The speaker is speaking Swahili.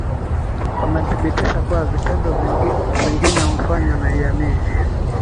Wamethibitisha kuwa vitendo vingine hufanywa na jamii